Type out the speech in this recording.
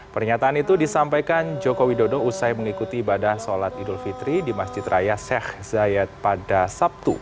pernyataan itu disampaikan joko widodo usai mengikuti ibadah sholat idul fitri di masjid raya sheikh zayed pada sabtu